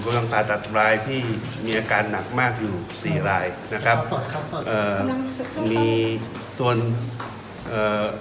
กำลังผ่าตัดรายที่มีอาการหนักมากอยู่สี่รายนะครับสดเอ่อมีส่วนเอ่อ